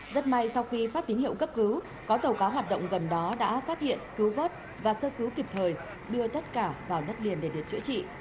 rất may sau khi phát tín hiệu cấp cứu có tàu cá hoạt động gần đó đã phát hiện cứu vớt và sơ cứu kịp thời đưa tất cả vào đất liền để được chữa trị